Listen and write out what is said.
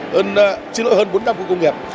xin lỗi hơn bốn trăm linh khu công nghiệp